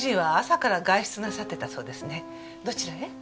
どちらへ？